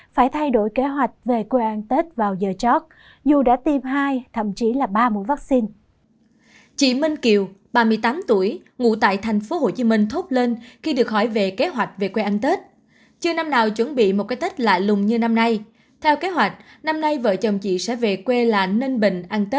phải thay đổi kế hoạch về quê ăn tết vào giờ chót dù đã tiêm hai thậm chí là ba mũi vaccine